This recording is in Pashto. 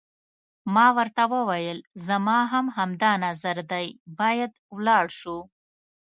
ما ورته وویل: زما هم همدا نظر دی، باید ولاړ شو.